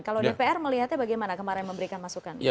kalau dpr melihatnya bagaimana kemarin memberikan masukan